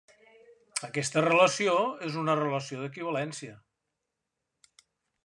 Aquesta relació és una relació d'equivalència.